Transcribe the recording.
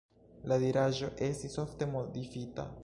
La diraĵo estis ofte modifita.